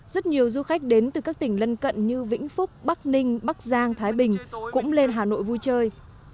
rất nhiều du khách đến từ các tỉnh lân cận như vĩnh phúc bắc ninh bắc giang thái bình cũng lên hà nội vui chơi